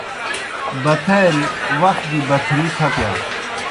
بتھاریْ وخ گیْ بتھرِی پھتِیا۔